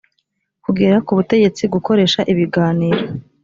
kugera ku butegetsi gukoresha ibiganiro